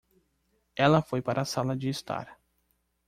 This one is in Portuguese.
Ela foi para a sala de estar